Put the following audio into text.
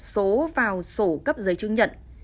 số vào sổ cấp giấy chứng nhận